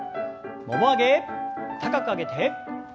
もも上げ高く上げて。